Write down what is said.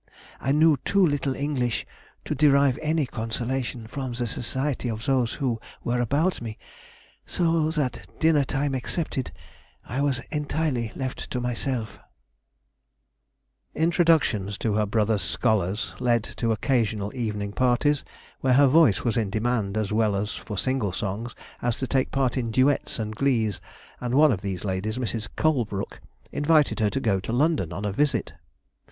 I knew too little English to derive any consolation from the society of those who were about me, so that, dinner time excepted, I was entirely left to myself." [Sidenote: 1774 1775. Life in Bath.] Introductions to her brother's scholars led to occasional evening parties, where her voice was in demand as well for single songs as to take part in duets and glees, and one of these ladies, Mrs. Colebrook, invited her to go to London on a visit.